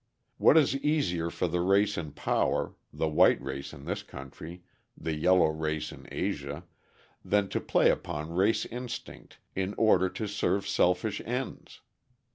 What is easier for the race in power, the white race in this country (the yellow race in Asia) than to play upon race instinct in order to serve selfish ends?